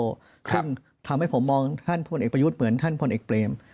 ซึ่งทำให้ผมมองท่านพลเอกประยุทธ์เหมือนท่านพลเอกเปรม